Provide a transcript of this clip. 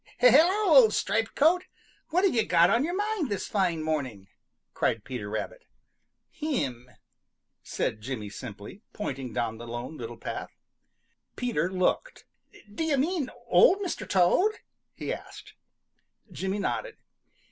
"Hello, old Striped coat, what have you got on your mind this fine morning?" cried Peter Rabbit. "Him," said Jimmy simply, pointing down the Lone Little Path. Peter looked. "Do you mean Old Mr. Toad!" he asked. Jimmy nodded.